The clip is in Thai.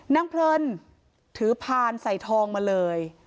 เพลินถือพานใส่ทองมาเลย